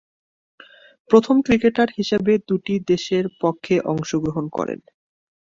প্রথম ক্রিকেটার হিসেবে দুইটি দেশের পক্ষে অংশগ্রহণ করেন।